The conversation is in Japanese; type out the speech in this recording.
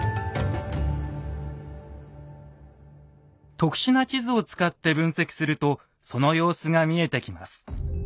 特殊な地図を使って分析するとその様子が見えてきます。